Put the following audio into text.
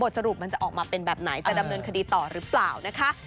สรุปมันจะออกมาเป็นแบบไหนจะดำเนินคดีต่อหรือเปล่านะคะ